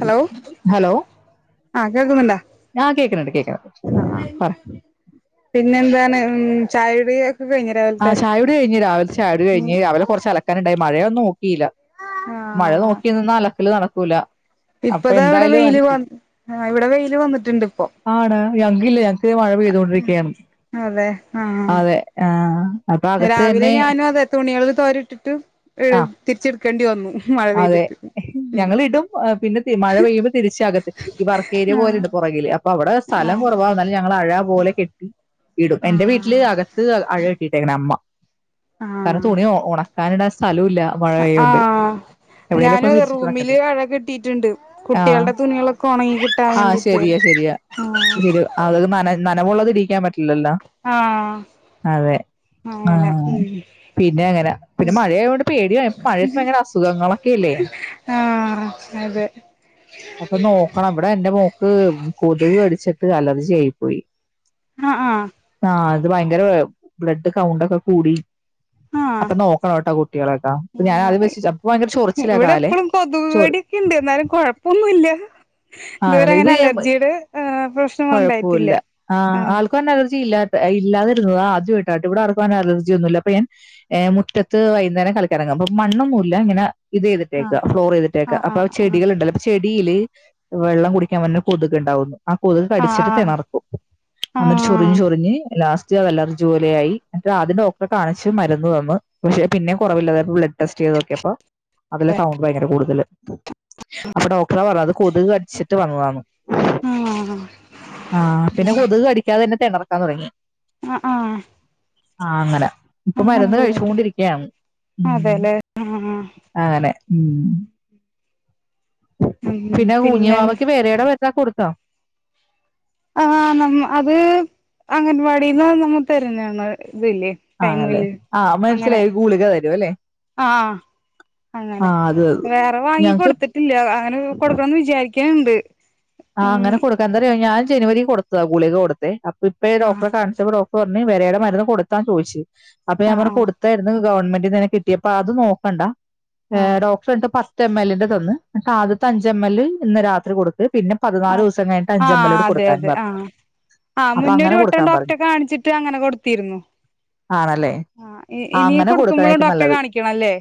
Hello ആഹ് കേക്കുന്നുണ്ടാ ഞാ കേക്ക്ണണ്ട് കേക്കണണ്ട് ആഹ് ആഹ് പിന്നെ എന്താണ് ചായുടി ഒക്കെ കഴിഞ്ഞി ആഹ് ചായുടി കഴിഞ്ഞ് രാവിലത്തെ ചായുടി കഴിഞ്ഞ് രാവിലെ കൊറച്ച് അലക്കാനുണ്ടായി മഴയൊന്ന ക്കിലാ മഴ ആഹ് നോക്കി നിന്ന അലക്കല് നടക്കൂലാ ഇപ്പതാ ഇവടെ വെയില് വ ഇവടെ വെയില് വന്നിട്ടുണ്ട് ഇപ്പോം ആണാ ഞങ്ങക്കില്ല ഞങ്ങക്ക്ത് മഴ പെയ്തോണ്ടിരിക്കയാണ് അതെ ആഹ് അതെ ആഹ് രാവിലെ ഞാനും അതെ തുണികൾ തോരട്ടിട്ട് ഏഹ് ആ അതെ ഉം ഞങ്ങളിടും പിന്നെ മഴ പെയ്യുമ്പോ തിരിച്ചകത്തി ഈ വർക്കേരിയ ആഹ് പോലെണ്ട് പൊറകില് അപ്പോ അവടെ സ്ഥലം ആഹ് കൊറവാ എന്നാലും ഞങ്ങള് അഴ പോലെ കെട്ടി ഇടും എന്റെ വീട്ടില് അക ത്ത് അഴ കെട്ടിട്ടേക്കണെ അമ്മ കാരണം ആഹ് തുണി ഒണക്കാനിട സ്ഥല ഇല്ല മഴ ആയോണ്ട് ഞാനു അതെ റൂമില് അഴ കെട്ടിട്ട്ണ്ട് ആഹ് കുട്ടികൾടെ തുണികളൊക്കെ ഒണങ്ങി കിട്ടാൻ ആഹ് വേണ്ടിട്ട് ശരിയാ ശരിയാ ശരി അത് നന നനവുള്ളതിടിക്കാൻ പറ്റില്ലല്ലോ ആഹ് അതെ അങ്ങനെ ആഹ് ഉം പിന്നെ അങ്ങനെ പിന്നെ മഴയയൊണ്ട് പേടിയ മഴയത്ത് ഭയങ്കര അസുഖങ്ങ ആഹ് അതെ അപ്പ നോക്കണം ഇവടെ എന്റെ മോക്ക് കൊതുക് കടിച്ചിട്ട് അലർജി ആയി പോയി ആഹ് ആഹ് ആഹ് അത് ഭയങ്കര ബ്ലഡ് കൗണ്ടക്കെ കൂടി ആഹ് അപ്പ നോക്കണം കേട്ടാ കുട്ടികളൊക്കെ അപ്പം ഞാൻ ആദ്യം [unintelligible] അവക്ക് ഭയങ്കര ചൊ ഇവടെ എപ്പഴും കൊതുകടിക്കെണ്ട് എന്നാലും കൊഴപ്പൊന്നുല്ല ഇതുവരെ അങ്ങനെ അലർജിടെ ഏഹ് പ്രശ്ന കൊഴപ്പോവില്ല ആഹ് [unintelligible] അലർജില്ല ഇല്ലാതിരുന്നത് ആദ്യായിട്ട് ആട്ടോ ഇവടെ ആർക്കും അങ്ങനെ അലജി ഒന്നുവില്ല അപ്പ ഞാൻ ഏഹ് മുറ്റത്ത് വൈകുന്നേരം കളിക്കിറങ്ങും അപ്പോ മണ്ണൊന്നുവില്ല ഇങ്ങനെ ഇത് ചെയ്തിട്ടേക്കാ ഫ്ലോർ ചെയ്തിട്ടേക്കാ ആഹ് അപ്പ ആഹ് ചെടികൾണ്ടല്ല ചെടില് വെള്ളം കുടിക്കാൻ വരണ കൊതുക് ഇണ്ടാവുന്ന് ആഹ് കൊതുക് ആഹ് കടിച്ചിട്ട് ആഹ് തെണർക്കും അന്നിട്ട് ആഹ് ചൊറിഞ്ഞ് ചൊറിഞ്ഞ് ലാസ്റ്റ് അലജി പോലെ ആയി എന്നിട്ട് ആദ്യം ഡോക്ടറെ കാണിച്ച് മരുന്ന് തന്ന് പഷേ പിന്നെ കൊറവില്ല അതായത് ബ്ലഡ് ടെസ്റ്റ് ചെയ്ത് നോക്കിപ്പാ അതില് കൗണ്ട് ഭയങ്കര കൂടുതല് അപ്പോ ഡോക്ടറ പറഞ്ഞത് അത് കൊതുക് കടിച്ചിട്ട് വന്നതാന്ന് ആഹ് ആഹ് ആഹ് പിന്നെ കൊതുക് കടിക്കാതെ തന്നെ തെണർക്കാൻ തൊടങ്ങി ആഹ് ആഹ് ആഹ് അങ്ങനെ ഇപ്പോ അങ്ങനെ മരുന്ന് ബുദ്ധിമുട്ട് കഴിച്ചോണ്ടിരിക്കയാണ് ഉം അതെല്ലേ ആഹ് അങ്ങനെ ഉം പിന്നെ കുഞ്ഞുവാവക്ക് വേരെ മരുന്നക്കെ കൊടുത്താ ആഹ് അത് അംഗൻവാടിന്ന് നമ്മ തരുന്നതാണ് ഇതില്ലേ ആണല്ലേ ടൈമില് ആഹ് അങ്ങനെ മനസ്സിലായി ഗൂളിക തരും അല്ലേ ആഹ് ആഹ് അങ്ങനെ അത് അത് വേറെ വാങ്ങി ഞങ്ങക്ക് കൊടുത്തിട്ടില്ല അങ്ങനെ കൊടുക്കണന്ന് വിചാരിക്കാണിണ്ട് ആഹ് അങ്ങനെ കൊടുക്ക എന്താറയൊ ഞാൻ ജനുവരി കൊടുത്തതാ ഗുളിക കൊടുത്തേ അപ്പോ ഇപ്പേ ആഹ് ഡോക്റെ കാണിച്ചപ്പോ ഡോ ടറ് പറഞ്ഞ് വേരെടെ മരുന്ന് കൊടുത്താ ചോദിച്ച് അപ്പ ഞാന് ആഹ് പറഞ്ഞ് ആഹ് കൊടു ര്ന്ന് ഗവൺമെന്റ്ന്ന് ങ്ങനെ കിട്ടിയപ്പ അത് നോക്കണ്ട ഏ ആഹ് ടോക് പണ്ട് പത്ത് എം എല്ലിന്റെ തന്ന് ആദ്യത്തെ അഞ്ച് എം എൽ ഇന്ന് രാത്രി കൊടുക്ക്‌ പിന്നെ പതിനാല് ആഹ് ദിവസം കഴിഞ്ഞട്ട് അഞ്ചമ്മലോട് കൊടുക്കാനും പറഞ്ഞു ആ അപ്പൊ മുന്നൊരു അങ്ങനെ വട്ടം കൊടുക്കാൻ ഡോക്ടറെ പറഞ്ഞു കാണിച്ചിട്ട് അങ്ങനെ കൊടുത്തിരുന്നു ആണല്ലേ ആ ഇ ഇനി അങ്ങനെ കൊടുക്കുമ്പളും കൊടുക്കണേക്കും ഡോക്ടറെ നല്ലത് കാണിക്കണം ല്ലേ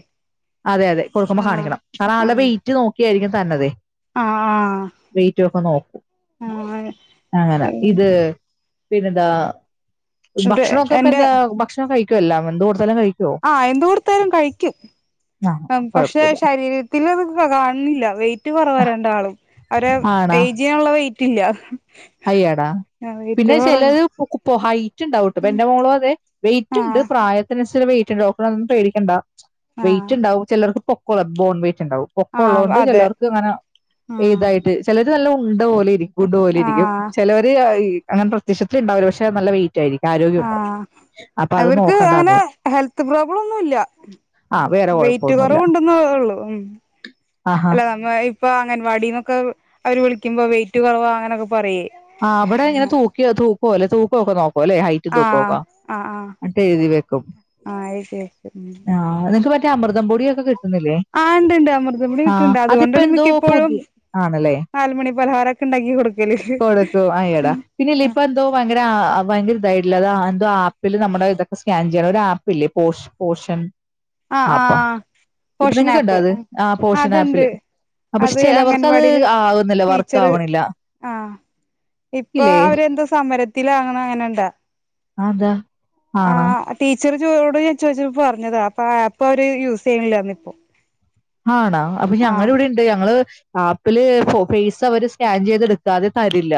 അതെ അതെ കൊടുക്കുമ്പോ കാണിക്കണം കാരണം ആളെ വെയ്റ്റ് നോക്കിയായിരിക്കും തര്നതെയ് ആഹ് ആഹ് വെയ്റ്റൊക്കെ നോക്കും ആഹ് അങ്ങനാ ആഹ് ഇത് ന്താ ഇവിടെ ഭക്ഷണൊക്കേ പ്പ എന്റെ എന്താ ഭക്ഷണം കഴിക്കോ എല്ലാം എന്ത് കൊടുത്താലും കഴി ആ എന്ത്‌ കൊടുത്താലും കഴിയ്ക്കും ആ പക്ഷെ കുഴപ്പമില്ല ശരീര ത്തിലത് കാണ് ണില്ല വെയ്റ്റ് കൊറവാ രണ്ടാളും അവരെ ഏജിനുള്ള വെയ്റ്റില്ല അയ്യോ ടാ പിന്നെ ചെലത്പ്പൊ ഹയ്റ്റ്ണ്ടാവുംട്ടൊ ഇപ്പെന്റെ മോളു അതെ വെയിറ്റ്ണ്ട് ആഹ് പ്രായ ത്തിനന്സരിച്ചുള്ള വെയ്റ്റ്ണ്ട് ഡോക്ടർ അതൊന്നും പേടിക്കണ്ട ആഹ് വയിറ്റ്ണ്ടാവും ചെലർക്ക് പൊക്കുള്ള ബോൺ വെയ്റ്റ്ണ്ടാവും ആഹ് പൊക്കൊള്ളകൊണ്ട് അതെ ചെലർക്കങ്ങനെ ഈ ആഹ് തായിട്ട് ചെലര് നല്ല ഉണ്ടപോലെ ഗുണ്ട് പോലിരിക്കും ആഹ് ചെലവര് അങ്ങനെ പ്രത്യക്ഷത്തില്ണ്ടാവില്ല പക്ഷെ നല്ല വെയി ആ അവര്ക്ക് അങ്ങനെ നോക്കണ്ടാന്ന് ഹെൽത്ത് പ്രോബ്ലഒന്നു ഇല്ല ആ വേറെ വെയ്റ്റ് കുഴപ്പമൊന്നുമില്ല കൊറവുണ്ട്ന്നെ ഒള്ളു ആഹാ അല്ല നമ്മള് ഇപ് പ്പൊ അംഗൻവാടിന്നൊക്കെ അവര് വിളിക്കുമ്പൊ വെയ്റ്റ് കൊറവാ അങ്ങനൊക്കെ പറയേ ആ അവിടെ ഇങ്ങനെ തൂക്കിയോ തൂക്ക്ഓലെ തൂക്കോക്കെ നോക്കുവല്ലേ ഹൈ റ്റും ആഹ് തൂക്കഒക്കെ ആഹ് ആഹ് ന്ന്ട്ടെഴ്തി വെക്കും ആഹ് ശരി ശരി ഉം ആ നിങ്ങക്ക് മ റ്റെ അമൃതം പൊടിയൊക്കെ കി ആ ഇണ്ട്ണ്ട് അമൃതംപൊടി ക്ട്ട്ട്ണ്ട് അതിപ്പോ അതുകൊണ്ടാണ് എന്തോ മിക്കപ്പോഴും പുതിയ ആണല്ലേ നാലുമണി പലഹാരൊക് ക്ക്ണ്ടാക്കിക്കൊട്ക്കല് വാങ്ങിയെടാ പിന്നില്ലിപ്പെന്തോ ഭയങ്കര ഭയങ്കര ഇതായിട്ടുള്ള അത് എന്തോ ആപ്പില് നമ്മുടെ ഇതൊക്കെ സ്കാൻ ചെയ്യണം ഒരു ആപ്പില്ലേ പോഷ് പോഷൺ ആ ആ നിങ്ങൾക്ക് ഉണ്ടോ പോഷണാപ്പ് അത് ആ ആ പോഷൻ അത്ണ്ട് ആപ്പില് അപ്പൊ പക്ഷെ അത് ചിലവർക്കത് അംഗൻവാടില് ആകുന്നില്ല വർക്ക് ടീച്ചറ് ആവണില്ല ആ ഇപ്പൊ ഇല്ലേ അവരെന്തോ സമരത്തിലോ [unintelligible] അതെന്താ ആ ആണോ ടീച്ചറ് ജോയോട് ഞാൻ ചോയ്ച്ചപ്പൊ പറഞ്ഞതാ ഇപ്പൊ ആ ആപ്പവര് യൂസെയ്യ്ണില്ലാർ ഞ്ഞു പ്പൊ ആണോ അപ്പൊ ഞങ്ങള് വിടീണ്ട് എന്തെയ്യ ഞങ്ങള് ആപ്പില് ഫോ ഫെയ്സവര് സ്കാൻ ചെയ്തെട്ക്കാതെ തരില്ല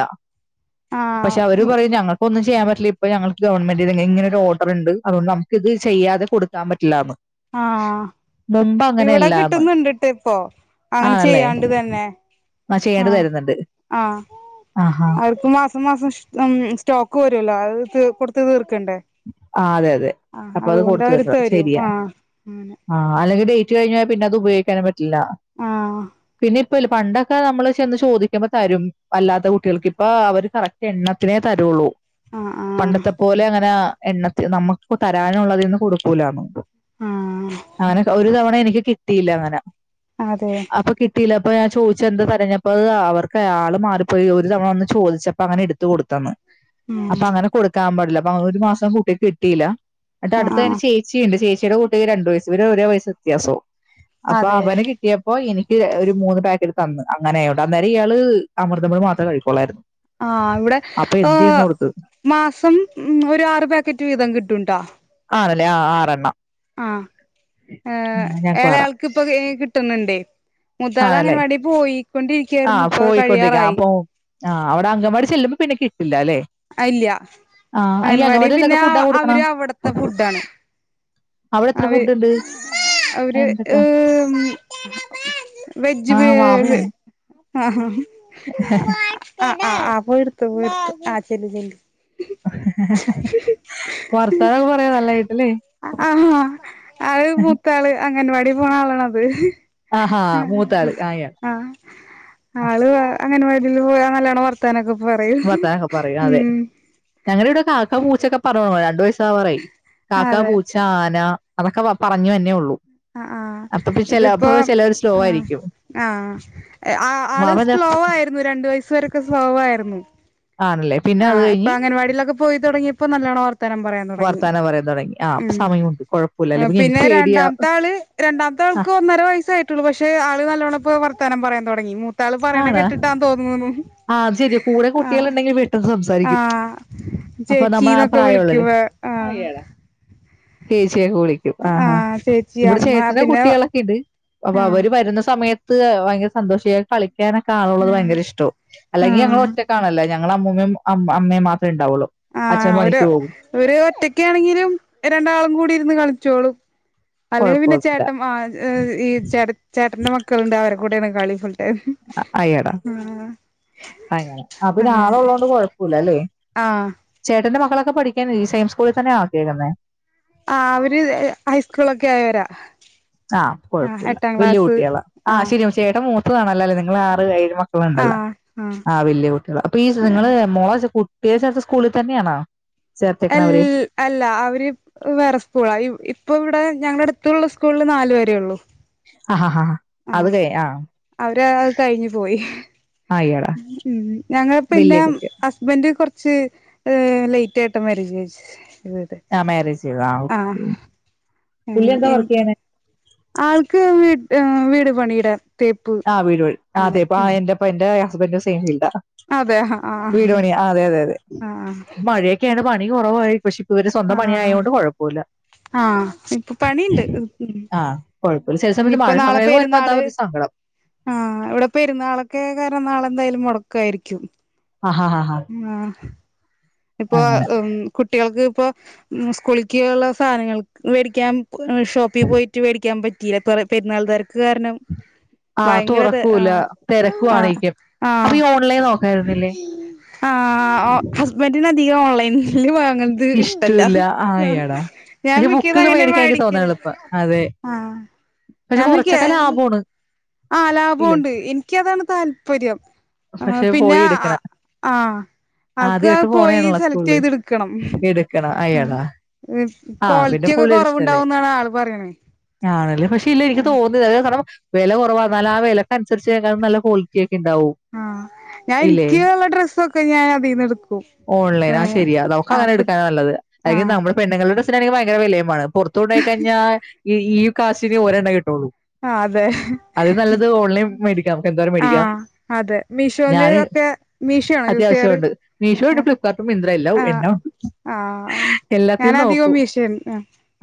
ആ പക്ഷേ അവര് പറയും ഞങ്ങൾ ക്കൊന്നും ചെയ്യാൻ പറ്റില്ലിപ്പോ ഞങ്ങക്ക് ഗവൺമെന്റിന് ഇങ്ങനൊരോഡറ്ണ്ട് അതുകൊണ്ട് നമുക്കിത് ചെയ്യാതെ കൊടുക്കാൻ പറ്റില്ലാന്ന് ക് മുമ്പങ്ങനെയല്ലാന്ന് ട്ട്ന്ന്ണ്ട്ട്ടിപ്പൊ അങ്ങനെ ചെയ്യാണ്ട് തന്നെ ആ ചെയ്യാണ്ട് തര്ന്ന്ണ്ട് ആഹ് അവര്ക്ക് മാസം മാസം സ് ഉം സ്റ്റോക്ക് വരുഅല്ലോ അത് കൊട്ത്ത് തീർക്കണ്ടേ ആ അതെ അതെ ആഹ് അപ്പത് അതുകൊണ്ട് കൊട്ത്ത് അവര് തീർക്കണം തരും ശെരിയാ ആഹ് അങ്ങനെ ആ അല്ലെങ്കി ഡേറ്റ് കഴിഞ്ഞാ പിന്നത് ഉപയോഗിക്കാനും പറ്റില്ല ആഹ് പിന്നിപ് പണ്ടൊക്കെ നമ്മള് ചെന്ന് ചോദിക്കുമ്പ തരും അല്ലാത്ത കുട്ടികൾക്ക് ഇപ്പവര് കറക്റ്റ് എണ്ണത്തിനേ തരുള്ളൂ ആഹ് ആഹ് പണ്ടത്തെപ്പോലെ അങ്ങനാ എണ്ണത്തി നമുക്ക് തരാനുള്ളതിന്ന് കൊട്ക്കൂലാന്നോ ആഹ് അങ്ങനെ ഒരു തവണ എനിക്ക് കിട്ടിയില്ലങ്ങനെ അതെയ അപ്പൊ കിട്ടിയില്ല അപ്പ ഞാൻ ചോയിച്ചെന്താ പറഞ്ഞെ അപ്പ അത് അവർക്കെ ആള് മാറിപ്പോയി ഒരു തവണ വന്ന് ചോദിച്ചപ്പങ്ങനെ എട് ത്ത് കൊട്ത്തെന്ന് ഉം അപ്പങ്ങനെ കൊട്ക്കാൻ പാടില്ല അപ്പങ്ങനെ ഒരുമാസം കുട്ടിക്ക് കിട്ടിയില്ല ആഹ് എന്നിട്ടട്ത്തന്നെ ആഹ് ചേ ച്ചീണ്ട് ചേച്ചിടെ കുട്ടിക്ക് രണ്ട് വയസ് ഇവരെ ഓരോ വയസ്സ് വ്യത്യാസവും അപ്പ അതെ അവന് കി ട്ടിയപ്പൊ എനിക്ക് ഒരു മൂന്ന് പാക്കറ്റ് തന്നു അങ്ങനെയാട്ടോ അന്നേരം ഇയാള് അമൃതം പൊടി മാത്രേ കഴിക്കൊള്ളായിരുന്നു ആഹ് ഇവിടെ ഏഹ്‌ മാസം ഒരു ആറ് പാക്കറ്റ് വീതം കിട്ടും ട്ടാ ആണല്ലേ ആഹ് ആറെണ്ണം ആഹ് ആ, ഏഹ് ഞങ്ങൾക്കും ആറാ ഏളയാൾക്ക്പ്പൊ ഈ കിട്ട്ണ്‌ണ്ടേ മുത്താള് ആണല്ലേ അംഗൻവാടി പോയിക്കൊണ്ടിരിക്കായിരുന്നു ഇപ്പൊ കഴിയാറായി ആഹ് അവടെ അംഗൻ വാടി ചെല്ലുമ്പോ പിന്നെ കിട്ടില്ല ലെ? അയ്ല്ല്യ അംഗൻവാടി എന്തൊക്കെ പിന്നെ ഫുഡാ ആഹ് കൊടുക്കണം അവര് അവ്ട്ത്തെ ഫുഡ് ആണ്. അവടെ എത്ര ഫുഡ്ണ്ട്? അവര് ഏഹ് വെജ് ആ വേ വാവയാണ് ആഹാ ഹാ. [unintelligible] ആഹ് ആഹ് ആഹ് പോയിട്ത്തോ പോയിട്ത്തോ ആ ചെല്ല് ചെല്ല്. വർത്താനം പറയാ നല്ലെ കിട്ടു ലെ? ആഹ് അത് മൂത്താള് അംഗൻവാടി പോണ ആളിണത്. ആഹാ മൂത്താള് ആയാ ആള് അ അംഗന വാടില് പോയാ നല്ലോണം വർത്താനൊക്കെ പറയും ഉം. ഞങ്ങള് ഇവടെ കാക്കാ പൂച്ച ഒക്കെ പറ [unintelligible] രണ്ടു വയസാവാറായി കാക്കാ അതെ പൂച ഞാന അതൊക്കെ വ പറഞ്ഞു വരണെ ഉള്ളൂ. അഹ് ആഹ് അപ്പൊ ഇതിപ്പോ ചിലപ്പോ ചിലർ സ്ലോ ആഹ് ആയിരിക്കും ആഹ്. ഏഹ് ആഹ് ആള് വാവ സ്റ്റോ ഇതൊക്കെ ആയിരുന്നു രണ്ടു വയസ്സ് വരെക്കെ സ്ലോവായിരുന്നു. ആണല്ലേ പിന്നെ അത് ആഹ് ഇപ്പൊ കഴിഞ്ഞ് അംഗൻ വാടിലൊക്കെ പോയി തൊടങ്ങിയപ്പോ നല്ലോണം വർത്താനം പറയാൻ തൊടങ്ങി വർത്താനം പറയാൻ തുടങ്ങി ആ അപ്പൊ ഉം സമയമുണ്ട് കുഴപ്പമില്ല ആഹ് അല്ലെങ്കിൽ എനിക്ക് പിന്നെ പേടിയാ രണ്ടാമത്താള് രണ്ടാമത്തെ ആ ആൾക്ക് ഒന്നര വയസ്സായിട്ടുള്ളു പക്ഷെ ആള് നല്ലോണം പ്പോ വർത്താനം പറയാൻ തൊടങ്ങി മൂ ത്താള് പറയ്ണെ ആണ് കെട്ടിട്ടാന്ന് തോന്നുണു ആഹ് ഇഞ്ഞ് വീട്ട്ന്ന് സംസാ ആഹ് ചേച്ചീന്നൊക്കെ വിളിക്കും ആഹ് അയ്യെടാ ചേച്ചികെ വിളി ആഹ് ആഹ് ചേച്ചി ഇവടെ അമ്മ ചേട്ടന്റെ പിന്നെ കുട്ട്യേളൊക്കെ ഇണ്ട് അപ്പൊ ആഹ് അവര് വരുന്ന സമയത്ത് ഭയങ്കര സന്തോഷ കളി ക്യാനോക്കെ ആളുള്ളത് ആഹ് ഭയങ്കര ഇഷ്ട്ടോ അല്ലെങ്കി ഞങ്ങള് ആഹ് ഒറ്റക്കാണല്ലൊ ഞ ഞങ്ങള അമ്മൂമ്മേം അം അമ്മേം മാത്രേണ്ടാവുള്ളു. ആഹ് ഒരു ഒര് ഒറ്റക്കാണെങ്കിലും രണ്ടാളും കൂടി ഇരുന്ന് കളിച്ചോളും. അല്ലെങ്കി പിന്നെ കുഴപ്പമൊന്നുമില്ല ചേട്ടൻ ആ ഏഹ് ഈ ചേട്ട ചേട്ടന്റെ മക്കള്ണ്ട് അവരെ കൂട്ടിയാണ് കളി ഫുൾ ടൈം അ അയ്യടാ ആഹ് അങ്ങനെ അപ്പ പിന്നെ അങ്ങനെ ആള് ഉള്ളോണ്ട് കൊഴപ്പുല്ല ലെ? ആഹ് ചേട്ടന്റെ മക്കളൊക്കെ പഠിക്കന്നെ ഈ സെയിം സ്കൂളിൽ തന്നെ ആക്ക്യേക്ക്ന്നെ. ആഹ് അവര് ഹൈസ്കൂളൊക്കെ ആയവരാ. ആഹ് കൊഴപ്പുല്ല എട്ടാം വെല്ല്യ ക്ലാസ് കുട്ട്യേളാ ആ ആഹ് ശരി ഓ ശരി ട്ടാ അത് മൂത്തതാണല്ലോ ലെ നിങ്ങൾ ആറ് എഴ് മ ട്ടളണ്ടല്ലോ ആഹ് വെല്ല്യ കുട്ടിളാ അപ്പൊ ഈ നിങ്ങള് മോളെ കുട്ടിയെ ചേർത്ത സ്കൂളി തന്നെയാണോ? ചേർത്തേക്കണ എൽ അവര് അല്ല അവര് വേറെ സ്കൂളാ ഇപ്പൊ ഇവടെ ഞങ്ങ ടുത്തുള്ള സ്കൂള്ള് നാല് വരേ ഉള്ളൂ. ആ ഹാ ഹാാ. ആഹ് അവര് കഴിഞ്ഞു പോയി ഹ്. ആയിടാ മ് ഞങ്ങള് പിന്നെ വലിയ കുട്ടി ഹസ്ബന്റ് കൊറച്ച് ലേയ്റ്റ് ആയിട്ട മാരേജ് കഴിച്ചേ ആ മാരേജ് ചെയ്തു ആ ആഹ് ഓക്കെ പുള്ളി എന്താ എനി വർക്ക് ചെയ്യണേ ആൾക്ക് വീ വീട് പണിടെ ആഹ് വീട് പ അതെ പ്പ എന്റെപ്പ ന്റെ ഹസ്ബന്റ് സെം ഫീൽഡാ. അതെ ഹാ ആ അ. വീട് പണി അതെ അതെ അതെ മഴയൊക്കെയാണ് പണി കൊറവായി പക്ഷേ ഇപ്പ ഇവര് സ്വന്തം ആഹ് പണിയായോണ്ട് കൊഴപ്പുല്ല. ആഹ് ഇപ്പൊ പണിണ്ട്. ആഹ് കൊഴപ്പല്ല ചെല സമയത്ത് മഴ സമയം വരുമ്പോ അതാ ഒരു സങ്കടം ആഹ് ഇവടെ പെരുന്നാളൊക്കെ കാരം നാളെ എന്തായാലും മൊടക്കായിരിക്കും. ഹ ഹ ഹാ ഹാ ആഹ് ഇപ്പൊ ആ കുട്ടികൾക്ക് ഇപ്പോ സ്കൂൾ ക്ക്ള്ള സാധനങ്ങൾ മേടിക്കാൻ ഷോപ്പിൽ പോയിട്ട് മേടിക്കാൻ പറ്റിയില്ല പെരുന്നാൾ തിരക്ക് കാരണം ആ ഭയങ്കരത് തുറക്കൂല. ആഹ് ആഹ് തിരക്കുവാണേക്കും. അപ്പൊ ആഹ് ഈ ഓൺലൈൻ നോക്കായിരുന്നില്ലേ? ആഹ് ഹസ്ബൻ്റ് നു അധികം ഓൺലൈനിൽ വാങ്ങൽ അത് ഇഷ്ടല്ല ഇഷ്ടൂല്ല. ആ എടാ. ഞാൻ പക്ഷെ മിക്കത ബുക്കൊക്കെ അങ്ങനെ മേടിക്കാൻ എനിക്ക് തോന്നാ മേടിക്കല് എളുപ്പാ. അതെ. ആ പക്ഷെ ഞാൻ മിക്ക കുറച്ചൊക്കെ ലാഭമാണ് ആ ലാഭമുണ്ട് എനിക്ക് അതാണ് താല്പര്യം ആ പക്ഷെ പിന്നെ പോയി എടുക്കണം. ആ അവർക്ക് ആദ്യായിട്ട് പോയി പോണേണല്ലോ സെലക്ട് സ്കൂളില്. ചെയ്തടുക്ക കണം എടുക്കണം. ആ എടാ. ആ പിന്നെ ക്വാളിറ്റി ഒക്കെ പുള്ളിയുടെ ഇഷ്ടല്ലേ? കുറവുണ്ടാവും ന്നാണ് ആള് പറയണേ ആണല്ലേ പക്ഷെ ഇല്ല എനിക്ക് ആഹ് തോന്നിയ അത് കാരണം വില കുറവാന്നാല ആ വിലക്ക് അനുസരിച്ച് തീർച്ച യായും നല്ല കൊളിറ്റി ഒക്കെ ഉണ്ടാവും ആഹ് ഞാൻ എനിക്ക്ള്ള ഡ്രസ്സൊക്കെ ഞാൻ അതിൽന്ന എടുക്കു ഓൺലൈൻ ആ ശരിയാ നമുക്ക് അങ്ങനെ എടുക്കാനാണ് നല്ലത് അ ആഹ് നമ്മുടെ പെണ്ണുങ്ങളുടെ ഡ്രസ്സ് നാണെങ്കിൽ ഭയങ്കര വിലയു മാണ് പൊറത്തുകടയി കഴിഞ്ഞാൽ ഈ ഈ കാശിനേ ഒരെണ്ണ കിട്ടുള്ളൂ ആഹ് അതെ അത് നല്ലത് ഓൺലൈൻ മേടിക്കാം നമുക്ക് എന്തോരം മേടിക്കാം ആഹ് അതെ മീഷോല് ഞാൻ ഒക്കെ മിഷോ ആണോ യൂസ് ചെയ്യാറ് അത്യാവശ്യമുണ്ട് മീഷോ ഉണ്ട് ആഹ് ഫ്ലിപ്കാർട്ടും മിന്ത്ര എല്ലാം ആഹ് എല്ലാം ഉണ്ട് ആഹ് എല്ലാത്തി ഞാനധികവും നോക്കും മീഷോയാണ്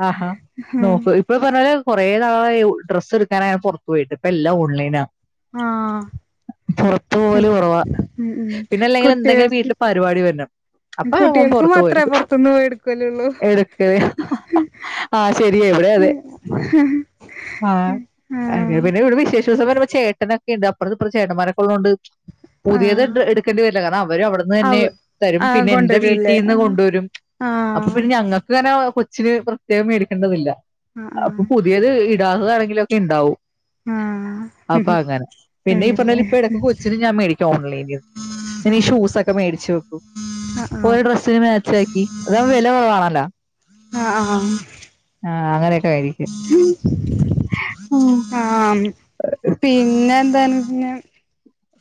ആഹാ ആഹ് നോക്കൂ ഇപ്പൊ പറഞ്ഞാല് കുറേ നാൾ ആയി ഡ്രസ്സ് എടുക്കാനായിപുറത്ത് പോയിട്ട് ഇപ്പൊ എല്ലാം ഓൺലൈനാ ആഹ് പുറത്ത് പോവൽ കുറവാ ഉം ഉം പിന്നെ അല്ലെങ്കില് എന്തെങ്കും കുട്ടികൾക്ക് വീട്ടില് പരിപാടി വരണം അപ്പൊ അവൻ കുട്ടികൾക്ക് പുറത്ത് മാത്രേ പോയിരുന്നു പൊറത്ത് ന്നും പോയി എടുക്കല്ലള്ളൂ ആഹ് ശരിയവിടെ അതെ ഹഹ ആഹ് പിന്നെ ഇവിടെ വിശേഷസം വരുമ്പോ ചേട്ടനൊക്കെ ഉണ്ട് അപ്പുറ ഇപ്പറ ചേട്ടന്മാരൊകേ ഉള്ളത് കൊണ്ട് പുതിയത് ആഹ് എടുക്കേണ്ടി വരില്ല കാരണം അവര് അവിടുന്ന് അവ തന്നെ തരും ആ പിന്നെ എന്റെ കൊണ്ടുവരൂല്ലേ ആ വീട്ടിൽന്ന് കൊണ്ടുവരും അപ്പൊ ആഹ് പിന്നെ ഞങ്ങൾക്ക് ഇങ്ങനെ കൊച്ചിന് പ്രത്യേകം മേടിക്കേണ്ടതില്ല അപ്പൊ ആഹ് പുതിയത് ഇടാക്കുകയാണെങ്കിലും ഒക്കെ ഉണ്ടാവും ആഹ് അപ്പൊ ആഹ് അങ്ങനെ പിന്നെ ഈ അങ്ങനെ പറഞ്ഞാല് ഇപ്പ ഇടക്ക കൊച്ചി ഞാൻ മേടിക്കും ഓൺലൈനി ഞാനീ ഷൂസ് ഒക്കെ മേടിച്ച് വെക്കും ആഹ് ഓര് ഡ്രസ്സിന് മാച്ച ആക്കി അതാവ്പ വില കുറവാണല്ലോ ആഹ് ആഹ് ആഹ് അങ്ങനെയൊക്കെ ആയിരിക്കും ഉം ഉം ആം പിന്നെ എന്താണ് പിന്നെ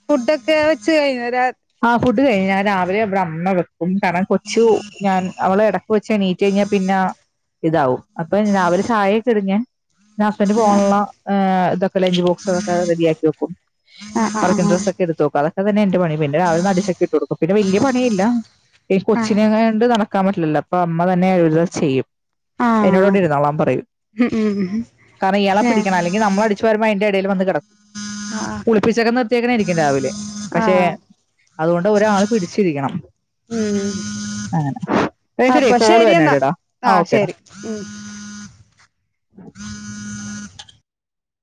ഫുഡൊക്കെ വെച്ച് കഴിഞ്ഞു രാ ആഹ് ഫുഡ് കഴിഞ് ഞാൻ രാവിലെവിടെ വന്നത് അപ്പം കണം കൊച്ചു ഞാൻ അവള ഇടക്ക് വെച്ചാ നീറ്റ് കഴിഞ്ഞാൽ പിന്നെ ഇതാവും അപ്പൊ രാവിലെ ചായയൊക്കെ ഇടും ഞാൻ എന്റെ ഹസ്ബൻന്റ് പോകണുള്ള ഹ് ഇതൊക്കെ ലഞ്ച് ബോക്സ്ഒക്കെ റെഡിയാക്കി വെക്കും ആഹ് ആഹ് തൊക്ക അതൊ തന്നെ എന്റെ പണി പിന്നെ രാവിലെ അടിച്ചൊക്കെട്ട കൊടുക്ക പിന്നെ വലിയ പണിയില്ലഈ ആഹ് കൊച്ചിനെയും കൊണ്ട് നട ക്കാൻ പറ്റില്ലല്ലോ അപ്പൊ അമ്മ തന്നെ എല്ലാം ചെയ്യും എന്നോട് ആഹ് ഇവിടെ ഇരുന്നോളൻ പറയും ഉം ഉം കാരണം ഇയാളെ ഏഹ് പിടിക്കണം അല്ലെ ങ്കി നമ്മള അടിച്ചു വരുമ്പോ അതിന്റെ ഇടയിൽ വന്ന് കിടക്കും ആഹ് കുളിപ്പിച്ചക്കെ നിർത്തിയേക്കനെ ആയിരിക്കും രാവിലെ പക്ഷെ ആഹ് അതുകൊണ്ട് ഒരാള് പിടിച്ചിരിക്കണം ഉം അങ്ങനെ എനിക്ക് ഒരു അപ്പൊ കോള് ശരി എന്നാ വര്ണണ്ട്ണ്ടടാ ആഹ് ഓക്കേ ടാ ശരി ഉം.